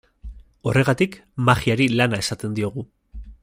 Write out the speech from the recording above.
Horregatik, magiari lana esaten diogu.